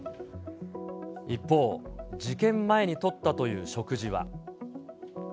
一方、事件前にとったという食事は。